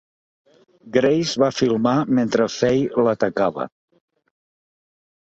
Grace va filmar mentre Faye l'atacava.